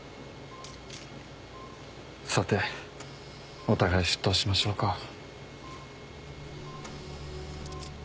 さてお互い出頭しましょうか。